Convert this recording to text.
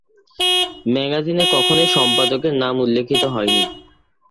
ম্যাগাজিনে কখনই সম্পাদকের নাম উল্লেখিত হয়নি।